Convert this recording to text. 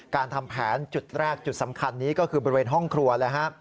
การทำแผนจุดแรกจุดสำคัญนี้ก็คือบริเวณห้องครัวเลยฮะ